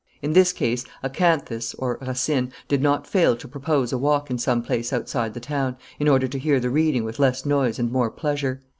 In this case, Acanthus (Racine) did not fail to propose a walk in some place outside the town, in order to hear the reading with less noise and more pleasure.